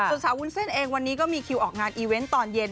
ส่วนสาววุ้นเส้นเองวันนี้ก็มีคิวออกงานอีเวนต์ตอนเย็น